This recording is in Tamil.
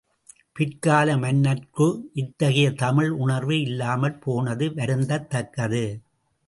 பிற்கால மன்னர்கட்கு இத்தகைய தமிழ் உணர்வு இல்லாமற் போனது வருந்தத்தக்கது.